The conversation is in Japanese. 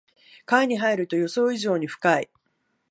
川に入ると予想以上に深い